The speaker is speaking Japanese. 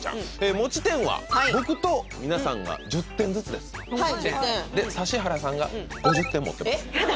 持ち点は僕と皆さんが１０点ずつですで指原さんが５０点持ってますやだ